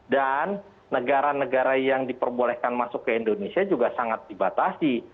dan negara negara yang diperbolehkan masuk ke indonesia juga sangat dibatasi